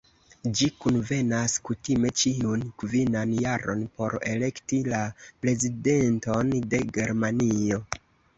Ĝi kunvenas kutime ĉiun kvinan jaron por elekti la Prezidenton de Germanio.